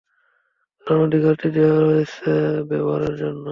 কারণ অধিকারটি দেওয়াই হয়েছে ব্যবহারের জন্য।